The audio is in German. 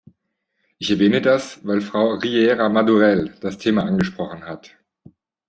Ich erwähne das, weil Frau Riera Madurell das Thema angesprochen hat.